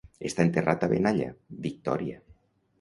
Està enterrat a Benalla, Victòria.